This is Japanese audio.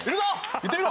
言ってみろ！